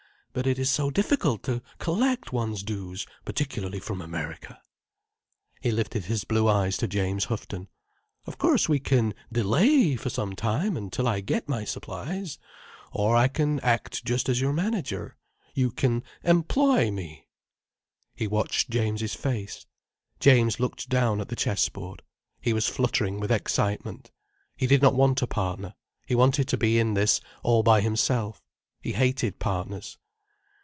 But it is so difficult to collect one's dues, particularly from America." He lifted his blue eyes to James Houghton. "Of course we can delay for some time, until I get my supplies. Or I can act just as your manager—you can employ me—" He watched James's face. James looked down at the chessboard. He was fluttering with excitement. He did not want a partner. He wanted to be in this all by himself. He hated partners.